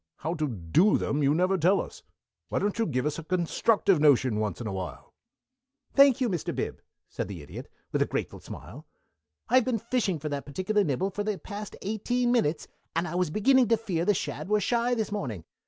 How to do them you never tell us. Why don't you give us a constructive notion once in awhile?" "Thank you, Mr. Bib," said the Idiot, with a grateful smile. "I've been fishing for that particular nibble for the past eighteen minutes, and I was beginning to fear the shad were shy this morning.